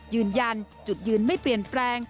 ยืนยันจุดยืนไม่เปลี่ยนแปลง